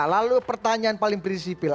lalu pertanyaan paling prinsipil